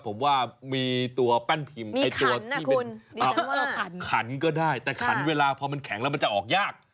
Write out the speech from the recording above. ผมว่ามีตัวแป้นพิมพ์ไอ้ตัวที่เป็นขันก็ได้แต่ขันเวลาพอมันแข็งแล้วมันจะออกยาก